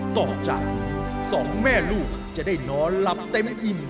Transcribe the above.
ตกใจสองแม่ลูกจะได้นอนหลับเต็มอิ่ม